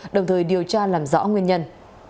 đồng thời điều tra làm rõ nguyên nhân